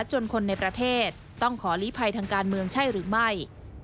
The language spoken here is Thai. จนคนในประเทศต้องขอลีภัยทางการเมืองใช่หรือไม่